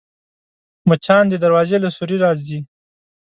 مچان د دروازې له سوري راځي